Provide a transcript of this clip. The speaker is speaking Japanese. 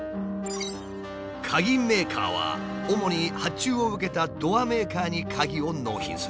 鍵メーカーは主に発注を受けたドアメーカーに鍵を納品する。